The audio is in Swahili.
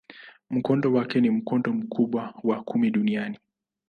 Mkondo wake ni mkondo mkubwa wa kumi duniani.